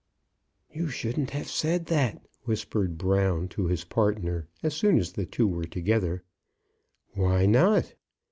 "You shouldn't have said that," whispered Brown to his partner as soon as the two were together. "Why not?"